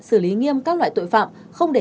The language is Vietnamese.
xử lý nghiêm các loại tội phạm không để